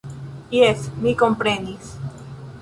Jes, mi komprenis.